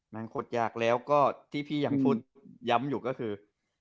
งคดยากแล้วก็ที่พี่ยังพูดย้ำอยู่ก็คือ